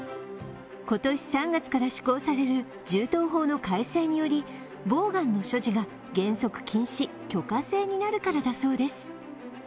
今年３月から施行される銃刀法の改正によりボーガンの所持が原則禁止・許可制になるからだそうです。